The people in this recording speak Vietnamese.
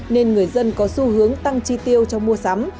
nên người dân có xu hướng tăng chi tiêu trong mua sắm